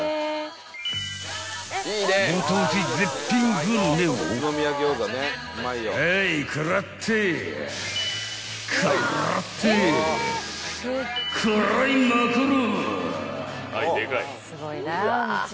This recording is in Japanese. ［ご当地絶品グルメをヘイ食らって食らって食らいまくる！］